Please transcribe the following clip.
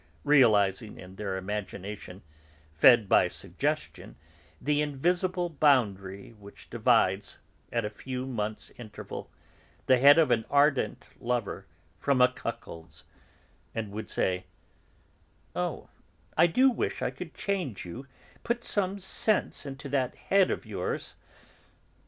realising in their imagination, fed by suggestion, the invisible boundary which divides, at a few months' interval, the head of an ardent lover from a cuckold's), and would say: "Oh, I do wish I could change you; put some sense into that head of yours."